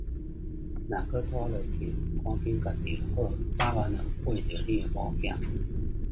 若閣拖落去毋趕緊共治予好，早慢會穢著你的某囝